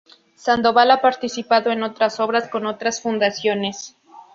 Sandoval, ha participado en otras obras, con otras fundaciones.